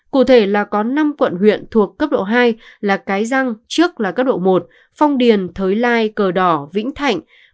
cụ thể là có năm quận huyện thuộc cấp độ hai là cái răng trước là cấp độ một phong điền thới lai cờ đỏ vĩnh thạnh